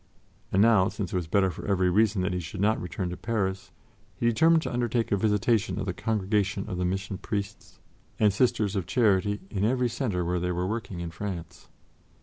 And now, since it was better for every reason that he should not return to Paris, he determined to undertake a visitation of the Congregation of the Mission Priests and Sisters of Charity in every center where they were working in France.